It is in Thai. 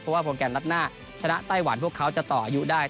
เพราะว่าโปรแกรมนัดหน้าชนะไต้หวันพวกเขาจะต่ออายุได้